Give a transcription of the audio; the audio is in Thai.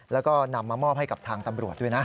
แล้วก็นำมามอบให้กับทางตำรวจด้วยนะ